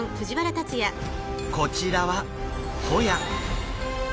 こちらはホヤ。